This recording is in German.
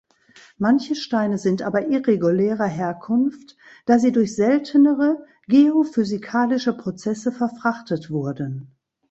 Manche Steine sind aber irregulärer Herkunft, da sie durch seltenere geophysikalische Prozesse verfrachtet wurden.